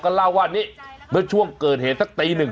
จากจะเล่าว่าเกิดเหตุสักสักตีนึง